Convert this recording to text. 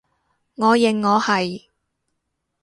我認我係